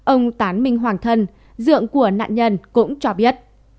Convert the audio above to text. ông tán minh hoàng thân của nạn nhân cũng cho biết